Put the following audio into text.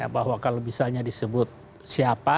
bahwa kalau misalnya disebut siapa